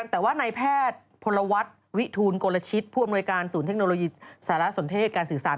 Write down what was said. แต่ว่านายแพทย์พลวัฒน์วิทูลกลชิตผู้อำนวยการศูนย์เทคโนโลยีสารสนเทศการสื่อสาร